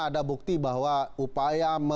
ada bukti bahwa upaya